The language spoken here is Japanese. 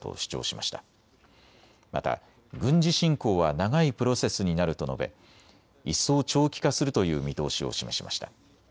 また軍事進攻は長いプロセスになると述べ一層、長期化するという見通しを示しました。